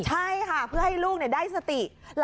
พี่แถวนี้ไม่มีอ่ะ